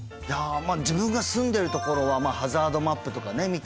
自分が住んでるところはハザードマップとかね